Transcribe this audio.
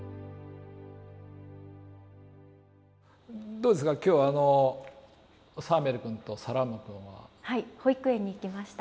どうですか今日はサーメル君とサラーム君は。はい保育園に行きました。